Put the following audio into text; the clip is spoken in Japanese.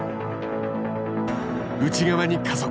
内側に加速。